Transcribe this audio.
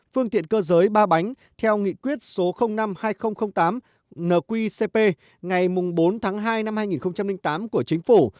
phương tiện cơ giới ba bánh theo nghị quyết số năm hai nghìn tám nqcp ngày bốn tháng hai năm hai nghìn tám của chính phủ